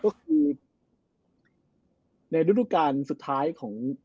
ก็คือในฤดูการสุดท้ายของ